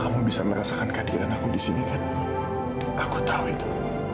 kamu bisa merasakan kehadiran aku di sini dan aku tahu itu